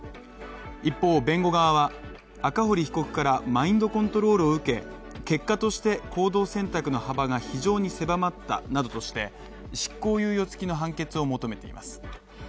一方弁護側は赤堀被告からマインドコントロールを受け、結果として行動選択の幅が非常に狭まったなどとして執行猶予付きの判決を求めています。